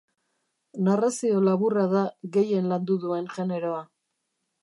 Narrazio laburra da gehien landu duen generoa.